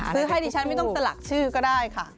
ซื้อให้ดิฉันไม่ต้องสลักชื่อก็ได้ค่ะ